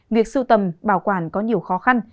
việc sưu tầm bảo quản có nhiều khó khăn